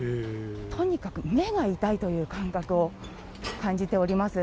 とにかく目が痛いという感覚を感じております。